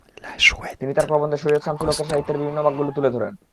তিনি তাঁর প্রবন্ধে সৈয়দ শামসুল হকের সাহিত্যের বিভিন্ন বাঁকগুলো তুলে ধরেন।